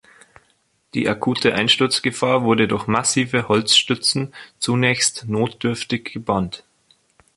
Die akute Einsturzgefahr wurde durch massive Holzstützen zunächst notdürftig gebannt.